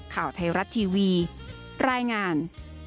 ข่าวไทยรัฐทีวีรายงาน